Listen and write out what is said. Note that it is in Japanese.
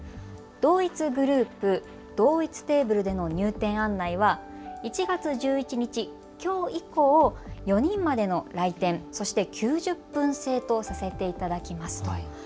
同一グループ・同一テーブルへの入店案内は１月１１日、きょう以降４人までの来店、そして９０分制とさせていただきます。